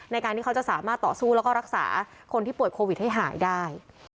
ในการที่เขาจะสามารถต่อสู้แล้วก็รักษาคนที่ป่วยโควิดให้หายได้